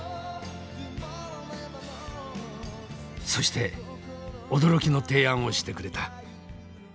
そして驚きの提案をしてくれた。